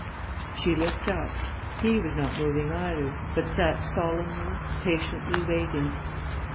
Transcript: She looked up. He was not moving either, but sat solemnly, patiently waiting.